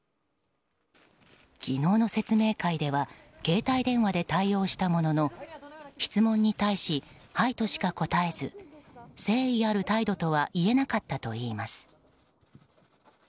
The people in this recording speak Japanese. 昨日の説明会では携帯電話で対応したものの質問に対し、はいとしか答えず誠意ある態度とはいえなかったといいます。